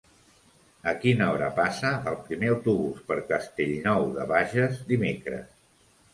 A quina hora passa el primer autobús per Castellnou de Bages dimecres?